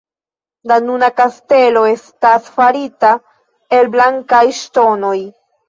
La nuna kastelo estas farita el blankaj ŝtonoj.